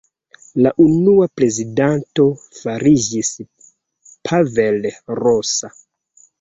La unua prezidanto fariĝis Pavel Rosa.